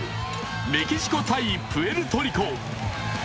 メキシコ×プエルトリコ。